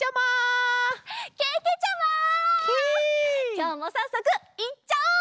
きょうもさっそくいっちゃおう！